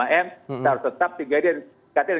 kita harus tetap tiga m